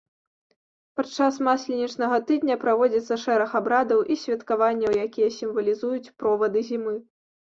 Падчас масленічнага тыдня праводзіцца шэраг абрадаў і святкаванняў, якія сімвалізуюць провады зімы.